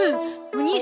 お？